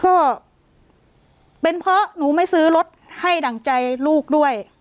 ก็เป็นเพราะหนูไม่ซื้อรถให้ดั่งใจลูกด้วย